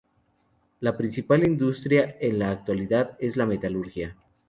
La principal industria en la actualidad es la metalurgia.